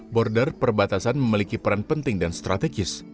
border perbatasan memiliki peran penting dan strategis